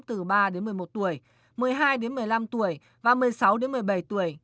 từ ba đến một mươi một tuổi một mươi hai đến một mươi năm tuổi và một mươi sáu đến một mươi bảy tuổi